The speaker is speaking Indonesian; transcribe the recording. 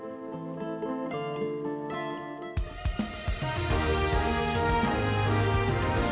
lalu lalang transportasi super cepat terus mengisi ruas jalan jalan ibu kota